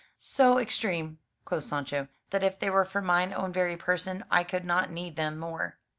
"So extreme," quoth Sancho, "that if they were for mine own very person, I could not need them more."